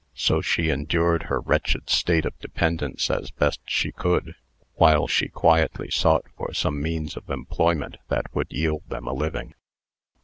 So she endured her wretched state of dependence as best she could, while she quietly sought for some means of employment that would yield them a living.